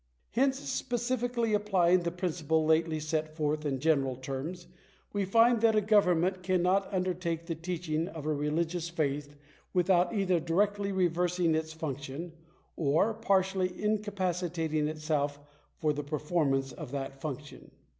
Hence, specifically applying the principle lately set forth in general terms, we find that a government cannot undertake the teaching of a religious faith without either directly reversing its function, or partially incapacitating itself for the performance of that function!